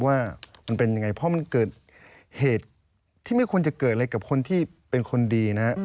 ว่ามันเป็นยังไงเพราะมันเกิดเหตุที่ไม่ควรจะเกิดอะไรกับคนที่เป็นคนดีนะ